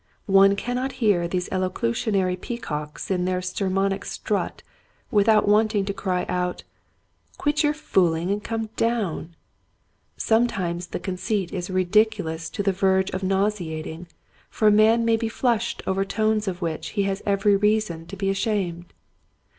One can not hear these elocutionary peacocks in their sermonic strut without wanting to cry out, *' Quit your fooling and come down !" Sometimes the conceit is ridicu lous to the verge of nauseating, for a man may be flushed over tones of which he has every reason to he ashamed.